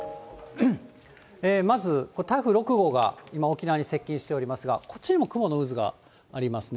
まず、台風６号が、今、沖縄に接近しておりますが、こっちにも雲の渦がありますね。